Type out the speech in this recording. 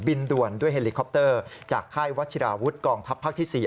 ด่วนด้วยเฮลิคอปเตอร์จากค่ายวัชิราวุฒิกองทัพภาคที่๔